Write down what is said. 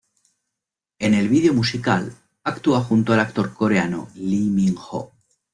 En el vídeo musical actúa junto al actor coreano Lee Min Ho.